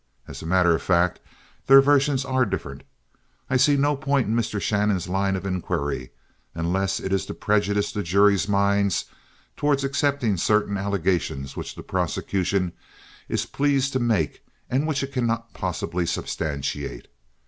As a matter of fact, their versions are different. I see no point in Mr. Shannon's line of inquiry, unless it is to prejudice the jury's minds towards accepting certain allegations which the prosecution is pleased to make and which it cannot possibly substantiate.